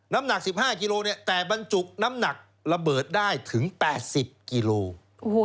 น้ำหนัก๑๕กิโลเนี่ยแต่บรรจุน้ำหนักระเบิดได้ถึง๘๐กิโล